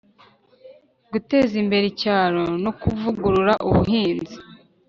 guteza imbere icyaro no kuvugurura ubuhinzi